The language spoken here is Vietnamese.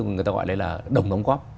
người ta gọi là đồng đóng góp